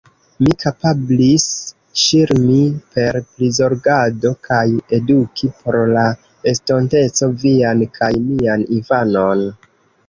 Mi kapablis ŝirmi per prizorgado kaj eduki por la estonteco vian kaj mian infanon!